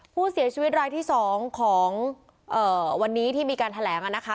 ผู้เสียชีวิตรายที่๒ของวันนี้ที่มีการแถลงนะคะ